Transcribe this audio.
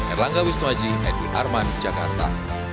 erlangga wisnuaji edwin arman jakarta